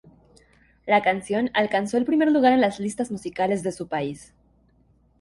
La canción alcanzó el primer lugar en las listas musicales de su país.